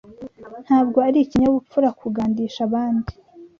Ntabwo ari ikinyabupfura kugandisha abandi.